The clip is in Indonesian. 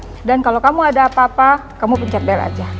iya dan kalau kamu ada apa apa kamu pencet bel aja